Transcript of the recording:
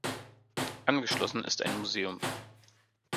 Angeschlossen ist ein Museum.